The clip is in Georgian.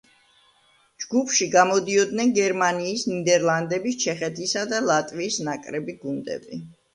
ჯგუფში გამოდიოდნენ გერმანიის, ნიდერლანდების, ჩეხეთისა და ლატვიის ნაკრები გუნდები.